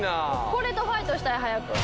これとファイトしたい早く。